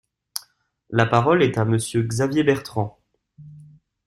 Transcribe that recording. La parole est à Monsieur Xavier Bertrand.